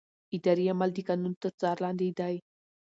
اداري عمل د قانون تر څار لاندې دی.